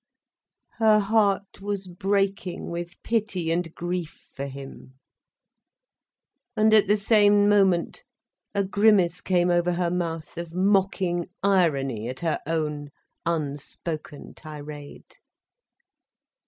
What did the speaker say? Her heart was breaking with pity and grief for him. And at the same moment, a grimace came over her mouth, of mocking irony at her own unspoken tirade.